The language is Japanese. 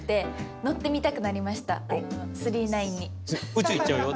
宇宙行っちゃうよ。